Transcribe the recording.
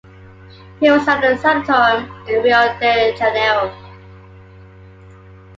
He was at a sanatorium in Rio de Janeiro.